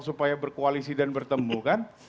supaya berkoalisi dan bertemu kan